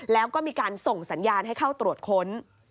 แล้วก็มีการส่งสัญญาณให้เข้าตรวจค้น